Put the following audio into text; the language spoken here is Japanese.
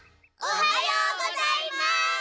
おはようございます！